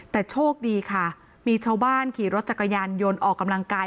แต่โชคดีค่ะมีชาวบ้านขี่รถจักรยานยนต์ออกกำลังกาย